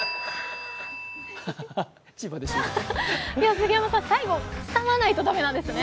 杉山さん、最後、つかまないと駄目なんですね。